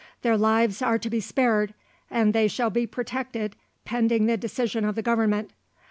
Their lives are to be spared, and they shall be protected pending the decision of the Government.